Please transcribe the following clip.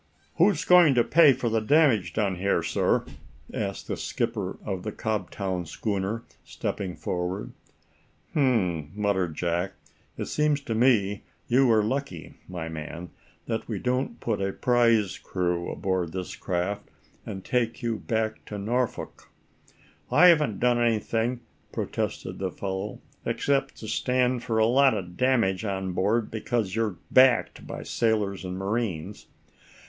"Who's going to pay for the damage done here, sir?" asked the skipper of the Cobtown schooner, stepping forward. "Hm!" muttered Jack. "It seems to me you are lucky, my man, that we don't put a prize crew aboard this craft and take you back to Norfolk." "I haven't done anything," protested the fellow, "except to stand for a lot of damage on board because you're backed by sailors and marines."